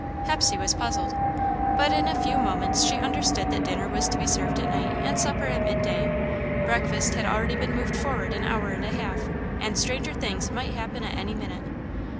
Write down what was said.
Hepsey was puzzled, but in a few moments she understood that dinner was to be served at night and supper at midday. Breakfast had already been moved forward an hour and a half, and stranger things might happen at any minute.